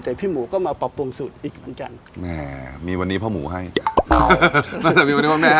แต่พี่หมูก็มาปรับปรุงสูตรอีกเหมือนกันแม่มีวันนี้พ่อหมูให้อ้าวตั้งแต่มีวันนี้พ่อแม่